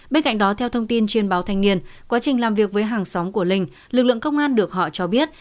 bên cạnh đó theo thông tin trên báo thanh niên quá trình làm việc với hàng xóm của linh lực lượng công an được họ cho biết